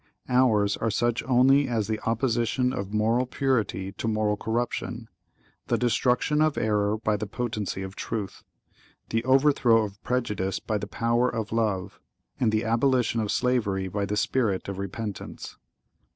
Ours are such only as the opposition of moral purity to moral corruption—the destruction of error by the potency of truth—the overthrow of prejudice by the power of love—and the abolition of slavery by the spirit of repentance.